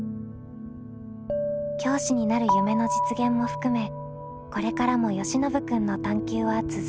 教師になる夢の実現も含めこれからもよしのぶ君の探究は続いていくようです。